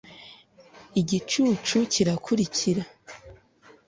igicucu kirakurikira,